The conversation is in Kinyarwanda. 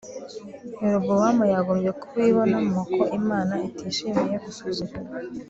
Yerobowamu yagombye kubibonamo ko Imana itishimiye gusuzugurwa